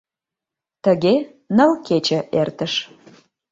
Тыге ныл кече эртыш.